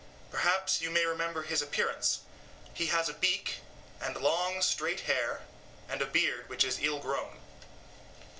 Perhaps you may remember his appearance; he has a beak, and long straight hair, and a beard which is ill grown.